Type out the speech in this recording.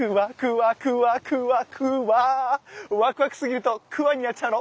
ワクワクしすぎるとクワになっちゃうの。